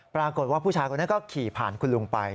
ปรากฏว่าผู้ชายคนนั้นก็ขี่ผ่านคุณลุงไป